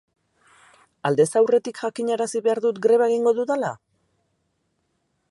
Aldez aurretik jakinarazi behar dut greba egingo dudala?